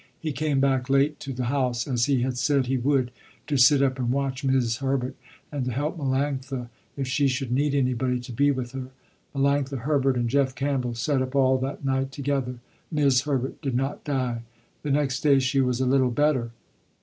He came back late to the house, as he had said he would, to sit up and watch 'Mis' Herbert, and to help Melanctha, if she should need anybody to be with her. Melanctha Herbert and Jeff Campbell sat up all that night together. 'Mis' Herbert did not die. The next day she was a little better.